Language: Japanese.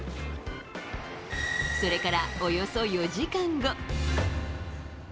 それから、およそ４時間後。